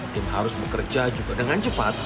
tim harus bekerja juga dengan cepat